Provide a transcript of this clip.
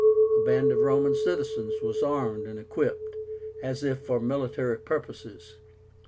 A band of Roman citizens was armed and equipped, as if for military purposes.